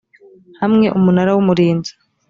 hamwe umunara w umurinzi